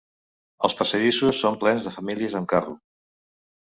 Els passadissos són plens de famílies amb carro.